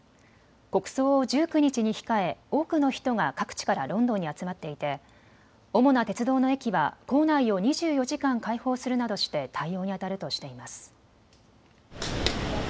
国葬を１９日に控え、多くの人が各地からロンドンに集まっていて主な鉄道の駅は構内を２４時間開放するなどして対応にあたるとしています。